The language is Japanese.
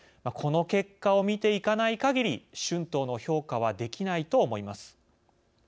この結果を見ていかないかぎり春闘の評価はできないと思います。